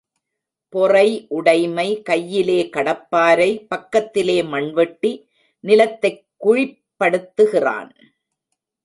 பொறை உடைமை கையிலே கடப்பாரை பக்கத்திலே மண்வெட்டி நிலத்தைக் குழிப்படுத்துகிறான்.